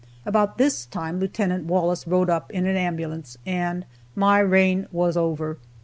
About this time Lieut. Wallace rode up in an ambulance and my reign was over.